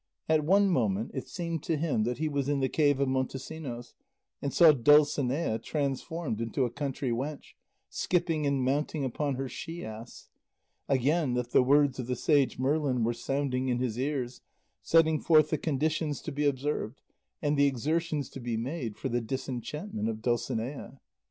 At one moment it seemed to him that he was in the cave of Montesinos and saw Dulcinea, transformed into a country wench, skipping and mounting upon her she ass; again that the words of the sage Merlin were sounding in his ears, setting forth the conditions to be observed and the exertions to be made for the disenchantment of Dulcinea.